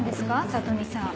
里美さん。